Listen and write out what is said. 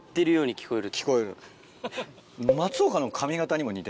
聞こえる。